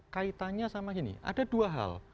kaitannya sama gini ada dua hal